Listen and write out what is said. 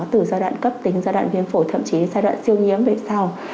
từ giai đoạn cấp tính giai đoạn viêm phổi thậm chí giai đoạn siêu nhiễm về sau